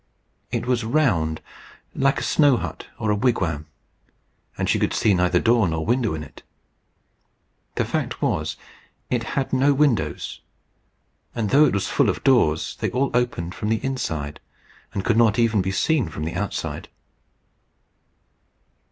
It was round, like a snow hut or a wigwam; and she could see neither door nor window in it. The fact was, it had no windows; and though it was full of doors, they all opened from the inside, and could not even be seen from the outside.